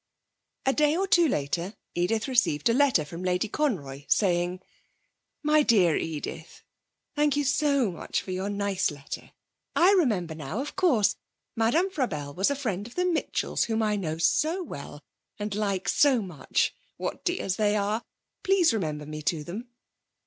A day or two later Edith received a letter from Lady Conroy, saying: 'MY DEAR EDITH, Thank you so much for your nice letter. I remember now, of course, Madame Frabelle was a friend of the Mitchells, whom I know so well, and like so much. What dears they are! Please remember me to them.